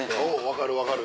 分かる分かる。